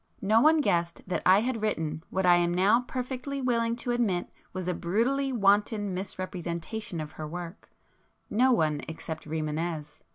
No one guessed that I had written what I am now perfectly willing to admit was a brutally wanton misrepresentation of her work,—no one, except Rimânez.